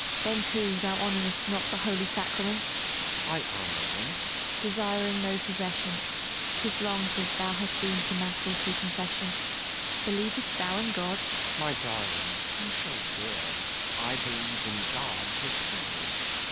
Then, too, thou honorest not the Holy Sacraments. FAUST I honor them. MARGARET Desiring no possession 'Tis long since thou hast been to mass or to confession. Believest thou in God? FAUST My darling, who shall dare "I believe in God!" to say?